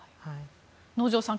能條さん